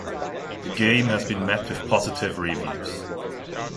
The game has been met with positive reviews.